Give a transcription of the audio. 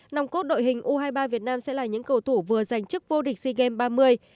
nòng cốt đội hình u hai mươi ba việt nam sẽ là những cầu thủ vừa giành chức vô địch sea games ba mươi